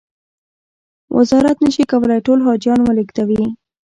وزارت نه شي کولای ټول حاجیان و لېږدوي.